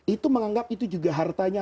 itu menganggap itu juga hartanya